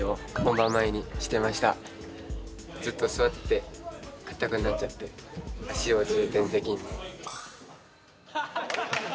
ずっと座ってて硬くなっちゃって脚を重点的に。